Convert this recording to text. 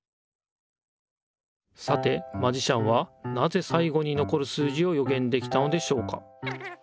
さてマジシャンはなぜさいごにのこる数字をよげんできたのでしょうか？